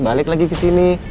balik lagi ke sini